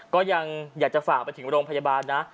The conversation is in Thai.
ก็ยังอยากจะฝากไปถึงโรงพยาบาลนะ